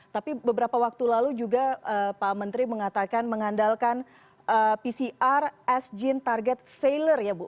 tapi beberapa waktu lalu juga pak menteri mengatakan mengandalkan pcr as gene target sailer ya bu